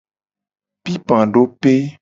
Pipadope.